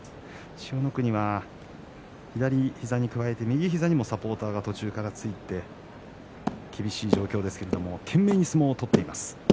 千代の国は左膝に加えて右膝にもサポーターが途中からついて厳しい状況ですけれども懸命に相撲を取っています。